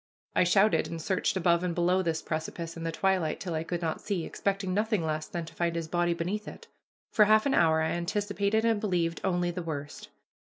I shouted and searched above and below this precipice in the twilight till I could not see, expecting nothing less than to find his body beneath it. For half an hour I anticipated and believed only the worst.